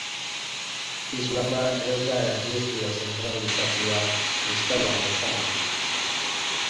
Islama ez da erlijio zentralizatua, kristaua bezala.